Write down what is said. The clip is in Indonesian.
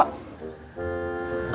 aku mah baik ceng